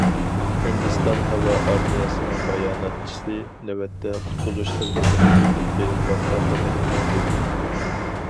ھىندىستان ھاۋا ئارمىيەسىنىڭ باياناتچىسى نۆۋەتتە قۇتقۇزۇش خىزمىتىنىڭ ئىلىپ بېرىلىۋاتقانلىقىنى بىلدۈردى.